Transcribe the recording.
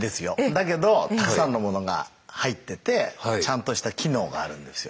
だけどたくさんのものが入っててちゃんとした機能があるんですよ。